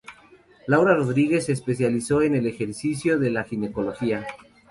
Laura Rodríguez se especializó en el ejercicio de la ginecología.